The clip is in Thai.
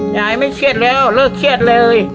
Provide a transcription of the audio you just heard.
ยายไม่เครียดแล้วเลิกเครียดเลย